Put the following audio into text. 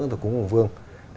của thủ cúng hồng vương